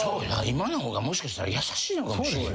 今の方がもしかしたら優しいのかもしれんよ。